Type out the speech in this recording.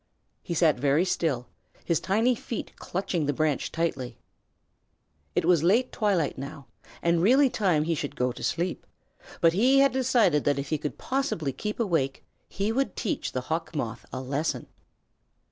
He sat very still, his tiny feet clutching the branch tightly. It was late twilight now and really time that he should go to sleep, but he had decided that if he could possibly keep awake he would teach the Hawk Moth a lesson.